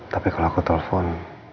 tapi kalau aku telfon